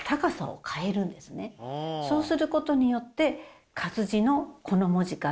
そうすることによって。